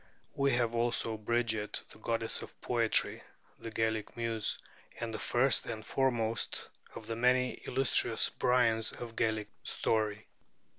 We have also Bridget, the Goddess of Poetry, the Gaelic Muse, and the first and foremost of the many illustrious Brians of Gaelic story.